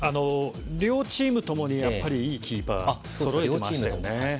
両チームともにいいキーパーをそろえていましたよね。